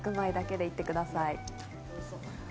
白米だけでいってください。